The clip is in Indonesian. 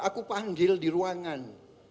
aku panggil di ruangan